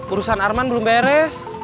urusan arman belum beres